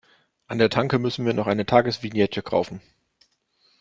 An der Tanke müssen wir noch eine Tagesvignette kaufen.